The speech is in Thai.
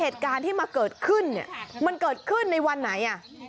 เหตุการณ์ที่มาเกิดขึ้นเนี่ยมันเกิดขึ้นในวันไหนอ่ะ